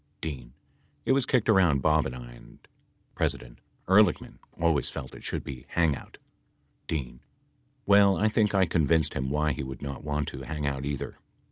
D. It was kicked around Bob and I and P. Ehrlichman always felt it should be hang out. D. Well, I think I convinced him why he would not want to hang out either.